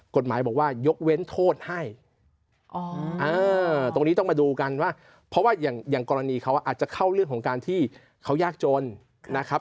กฎหมายบอกว่ายกเว้นโทษให้ตรงนี้ต้องมาดูกันว่าเพราะว่าอย่างกรณีเขาอาจจะเข้าเรื่องของการที่เขายากจนนะครับ